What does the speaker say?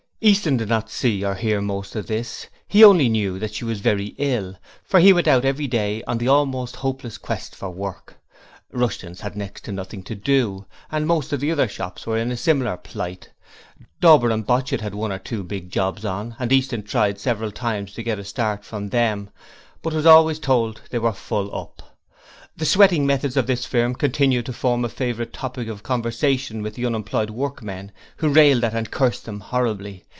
Easton did not see or hear most of this; he only knew that she was very ill; for he went out every day on the almost hopeless quest for work. Rushton's had next to nothing to do, and most of the other shops were in a similar plight. Dauber and Botchit had one or two jobs going on, and Easton tried several times to get a start for them, but was always told they were full up. The sweating methods of this firm continued to form a favourite topic of conversation with the unemployed workmen, who railed at and cursed them horribly.